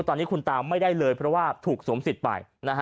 ตอนนี้คุณตาไม่ได้เลยเพราะว่าถูกสวมสิทธิ์ไป